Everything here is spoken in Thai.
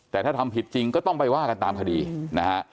แต่ถ้าทำผิดจริงก็ต้องไปว่ากันตามคดีนะฮะ